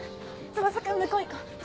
翼くん向こう行こう。